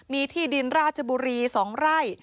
มีที่ดินราชบุรี๒ไร่